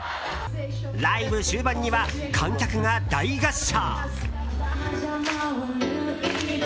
ライブ終盤には観客が大合唱。